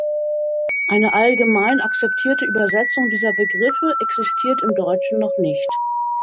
Eine allgemein akzeptierte Übersetzung dieser Begriffe existiert im Deutschen noch nicht.